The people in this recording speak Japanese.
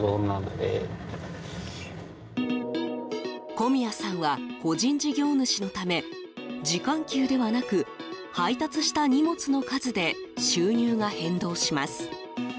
小宮さんは個人事業主のため時間給ではなく配達した荷物の数で収入が変動します。